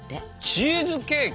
チーズケーキ？